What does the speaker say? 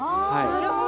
なるほど。